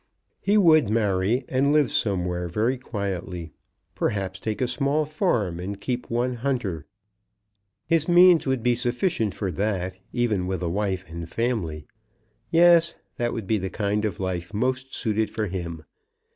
He would marry and live somewhere very quietly; perhaps take a small farm and keep one hunter. His means would be sufficient for that, even with a wife and family. Yes; that would be the kind of life most suited for him.